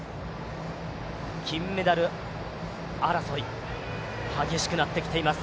金メダル争い、激しくなってきています。